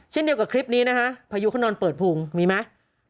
เช่นเดียวกับคลิปนี้นะคะพายุเขานอนเปิดพุงมีไหม